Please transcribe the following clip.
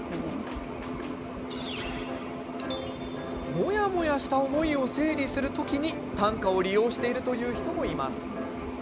モヤモヤした思いを整理する時に短歌を利用しているという人もいます。